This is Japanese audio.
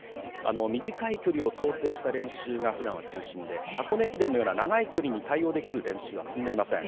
短い距離を想定した練習がふだんは中心で箱根駅伝のような長い距離に対応できる練習は積んでいません。